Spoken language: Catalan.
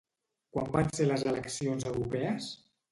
Quan van ser les eleccions europees?